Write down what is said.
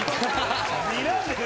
にらんでる！